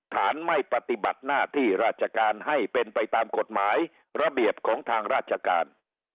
ฐานไม่ปฏิบัติหน้าที่ราชการให้เป็นไปตามกฎหมายระเบียบของทางราชการ